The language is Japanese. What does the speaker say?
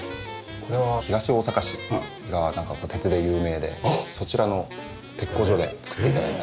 これは東大阪市が鉄で有名でそちらの鉄工所で作って頂いた。